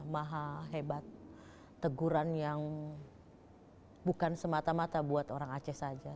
maha hebat teguran yang bukan semata mata buat orang aceh saja